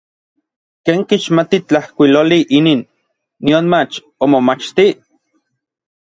¿Ken kixmati tlajkuiloli n inin, nionmach omomachtij?